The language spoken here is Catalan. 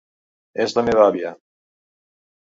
És la meva àvia.